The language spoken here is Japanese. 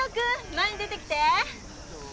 前に出てきて。